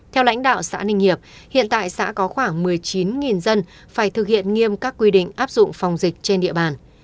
theo lãnh đạo xã ninh hiệp hiện tại xã có khoảng một mươi chín dân phải thực hiện nghiêm các quy định áp dụng phòng dịch trên địa bàn